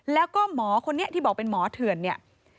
แล้วก็หมอคนนี้ที่บอกเป็นหมอเถื่อนเนี่ย